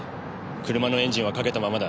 車のエンジンはかけたままだ。